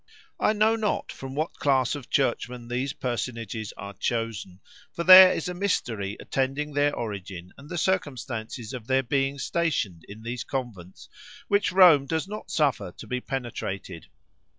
I know not from what class of churchmen these personages are chosen, for there is a mystery attending their origin and the circumstance of their being stationed in these convents, which Rome does not suffer to be penetrated.